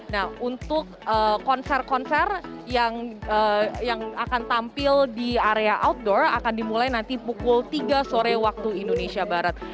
nah untuk konser konser yang akan tampil di area outdoor akan dimulai nanti pukul tiga sore waktu indonesia barat